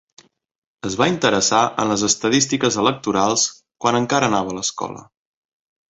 Es va interessar en les estadístiques electorals quan encara anava a l'escola.